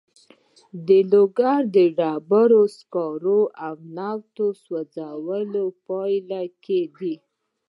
دا لوګی د ډبرو سکرو او نفتو د سوځولو په پایله کې دی.